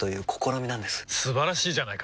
素晴らしいじゃないか！